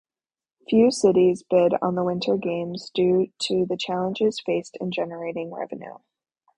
Few cities bid on the Winter Games due to challenges faced in generating revenue.